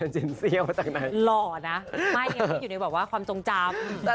เจนเซียวจากไหนหล่อนะไม่อยู่ในความจงจำ